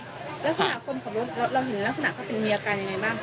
แล้วคณะคนของรถเราเห็นแล้วคณะเขาเป็นเมียกันอย่างไรบ้าง